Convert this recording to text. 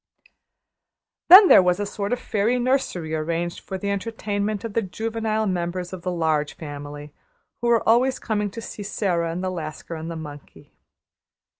Then there was a sort of fairy nursery arranged for the entertainment of the juvenile members of the Large Family, who were always coming to see Sara and the Lascar and the monkey.